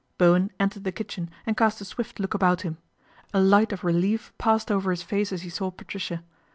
Bowen entered the kitchen and cast a swift THE AIR RAID 271 look about him. A light of relief passed over his face as he saw Patricia.